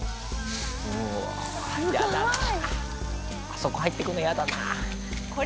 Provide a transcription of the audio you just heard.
「あそこ入ってくの嫌だな」